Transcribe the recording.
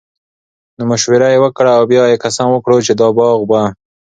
نو مشوره ئي وکړه، او بيا ئي قسم وکړو چې دا باغ به